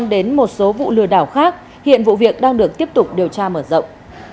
đến một số vụ lừa đảo khác hiện vụ việc đang được tiếp tục điều tra mở rộng